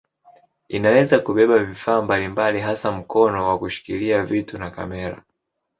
Inaweza kubeba vifaa mbalimbali hasa mkono wa kushikilia vitu na kamera.